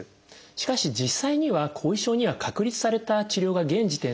しかし実際には後遺症には確立された治療が現時点ではありません。